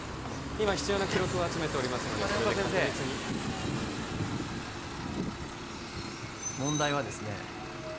今必要な記録を集めておりますので羽根岡先生それで確実に問題はですね